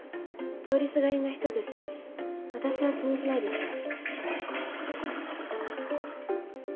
通りすがりの人ですし私は気にしないですから。